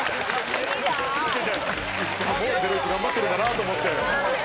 石川もゼロイチ頑張ってるんだなと思って。